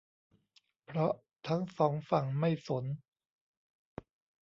เพราะทั้งสองฝั่งไม่สน